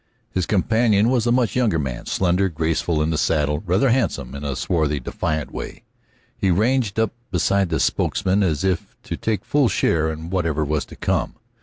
His companion was a much younger man, slender, graceful in the saddle, rather handsome in a swarthy, defiant way. He ranged up beside the spokesman as if to take full share in whatever was to come.